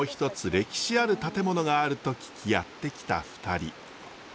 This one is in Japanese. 歴史ある建物があると聞きやって来た２人。